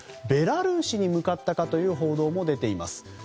ベラルーシに向かったかという報道も出ています。